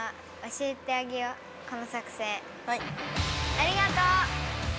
ありがとう！